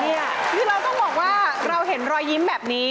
คือเราต้องบอกว่าเราเห็นรอยยิ้มแบบนี้